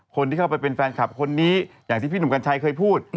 คนที่เข้าไปเป็นแฟนคลับคนนี้อย่างที่พี่หนุ่มกัญชัยเคยพูด